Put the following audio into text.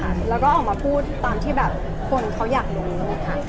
สบายใจขึ้นแล้วก็ออกมาพูดตามที่แบบคนเขาอยากรู้มึงมึง